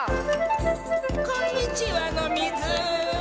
こんにちはのミズ。